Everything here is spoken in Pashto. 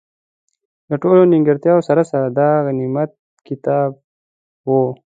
له ټولو نیمګړتیاوو سره سره، دا غنیمت کتاب وو.